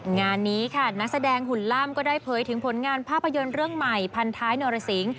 งานนี้ค่ะนักแสดงหุ่นล่ามก็ได้เผยถึงผลงานภาพยนตร์เรื่องใหม่พันท้ายนรสิง